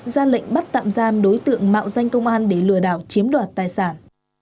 ra lệnh bắt tạm giam đối tượng mạo danh công an để lừa đảo chiếm đoạt tài sản